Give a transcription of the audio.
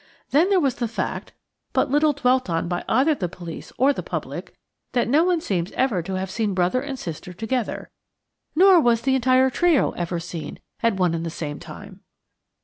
Then there was the fact–but little dwelt on by either the police or the public–that no one seems ever to have seen brother and sister together, nor was the entire trio ever seen at one and the same time.